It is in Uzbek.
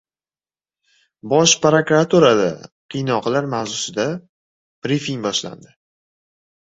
Bosh prokuraturada qiynoqlar mavzuida brifing boshlandi